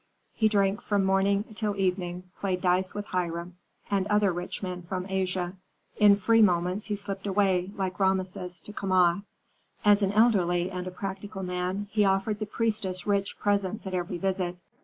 He drank from morning till evening, played dice with Hiram and other rich men from Asia. In free moments he slipped away, like Rameses, to Kama. As an elderly and a practical man, he offered the priestess rich presents at every visit.